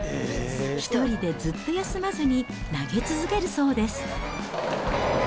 １人でずっと休まずに投げ続けるそうです。